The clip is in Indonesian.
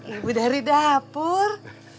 ibu dari dapur